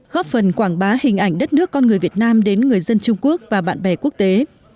góp phần quảng bá hình ảnh đất nước con người việt nam đến người dân trung quốc và bạn bè quốc tế